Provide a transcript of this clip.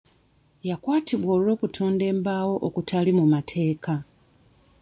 Yakwatibwa olw'okutunda embaawo okutaali mu mateeka.